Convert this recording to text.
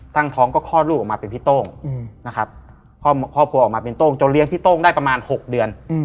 ตั้งท้องก็คลอดลูกออกมาเป็นพี่โต้งนะครับครอบครัวออกมาเป็นโต้งจนเลี้ยพี่โต้งได้ประมาณ๖เดือน